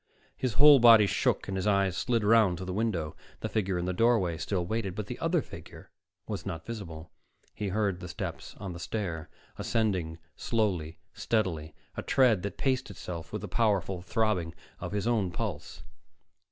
His whole body shook and his eyes slid around to the window. The figure in the doorway still waited but the other figure was not visible. He heard the steps on the stair, ascending slowly, steadily, a tread that paced itself with the powerful throbbing of his own pulse.